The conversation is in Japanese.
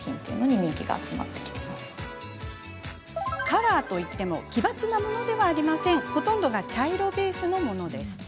カラーといっても奇抜なものではなくてほとんどが茶色ベースのものです。